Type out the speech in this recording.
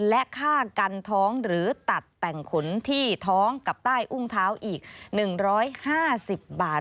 และค่ากันท้องหรือตัดแต่งขนที่ท้องกับใต้อุ้งเท้าอีก๑๕๐บาท